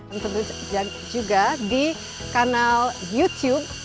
dan tentu juga di kanal youtube